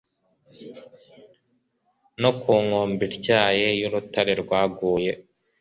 no ku nkombe ityaye y'urutare rwaguye